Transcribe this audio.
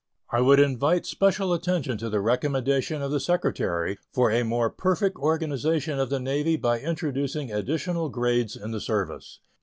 I would invite special attention to the recommendation of the Secretary for a more perfect organization of the Navy by introducing additional grades in the service.